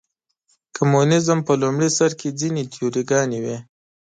کمونیزم په لومړي سر کې ځینې تیوري ګانې وې.